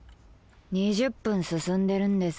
２０分進んでるんです。